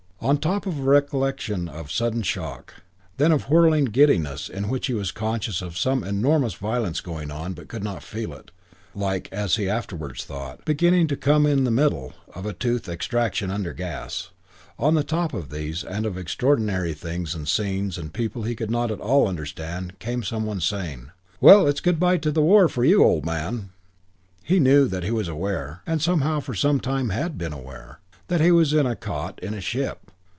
On top of a recollection of sudden shock, then of whirling giddiness in which he was conscious of some enormous violence going on but could not feel it like (as he afterwards thought) beginning to come to in the middle of a tooth extraction under gas on the top of these and of extraordinary things and scenes and people he could not at all understand came some one saying: "Well, it's good by to the war for you, old man." He knew that he was aware and somehow for some time had been aware that he was in a cot in a ship.